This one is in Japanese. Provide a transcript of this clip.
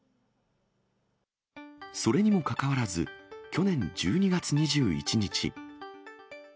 それにもかかわらず、去年１２月２１日。